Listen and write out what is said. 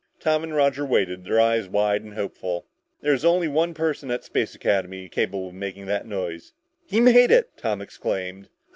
Tom and Roger waited, their eyes wide and hopeful. There was only one person at Space Academy capable of making such a noise. "He made it!" Tom exclaimed.